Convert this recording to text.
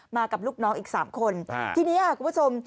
กับลูกน้องอีก๓คนทีนี้ค่ะคุณผู้ชม